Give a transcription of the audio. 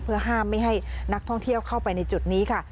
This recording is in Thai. เพื่อห้ามไม่ให้นักท่องเที่ยวเข้าไปในจุดนี้ค่ะ